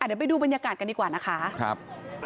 เดี๋ยวไปดูบรรยากาศกันดีกว่านะคะ